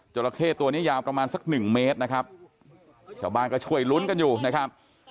ระเข้ตัวนี้ยาวประมาณสักหนึ่งเมตรนะครับชาวบ้านก็ช่วยลุ้นกันอยู่นะครับ